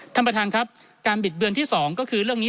ท่านประธานครับการบิดเบือนที่๒ก็คือเรื่องนี้